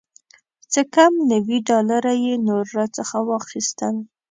څه کم نوي ډالره یې نور راڅخه واخیستل.